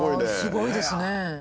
すごいですね。